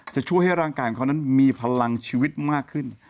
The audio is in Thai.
จะช่วยให้ร่างกายของเขานั้นมีพลังชีวิตมากขึ้น